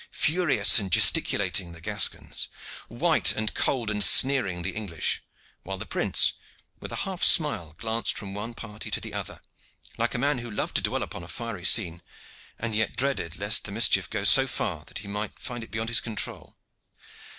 Furious and gesticulating the Gascons, white and cold and sneering the English, while the prince with a half smile glanced from one party to the other, like a man who loved to dwell upon a fiery scene, and yet dreaded least the mischief go so far that he might find it beyond his control.